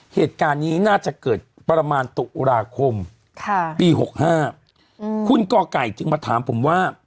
เหตุการณ์นี้น่าจะเกิดประมาณตุลาคมปี๖๕คุณกไก่จึงมาถามผมว่า